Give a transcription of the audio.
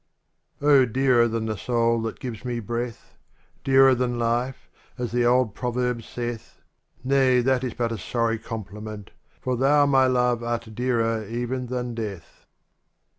n ^^M DEARER than the soul that gives me ^^3^ breath. Dearer than life, as the old proverb saith, — Nay, that is but a sorry compliment : For thou, my love, art dearer even than death.